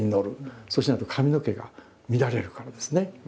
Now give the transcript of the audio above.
そうしないと髪の毛が乱れるからですね。